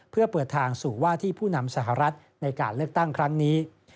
เพื่อเปิดทางสู่ว่าที่ผู้นำสหรัฐในการเลือกตั้งครั้งนี้